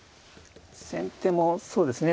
先手もそうですね